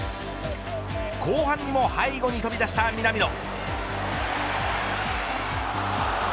後半にも背後に飛び出した南野。